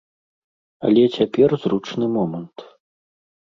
Але цяпер зручны момант.